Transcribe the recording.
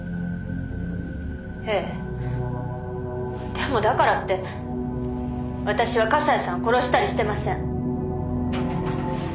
「でもだからって私は笠井さんを殺したりしてません」